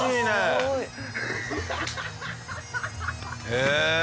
へえ！